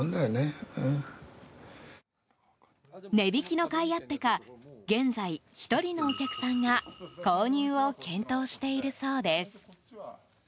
値引きのかいあってか現在、１人のお客さんが購入を検討しているそうです。